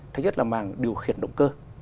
thứ nhất là mảng điều khiển động cơ